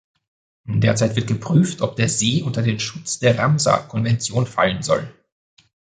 Derzeit wird geprüft, ob der See unter den Schutz der Ramsar-Konvention fallen soll.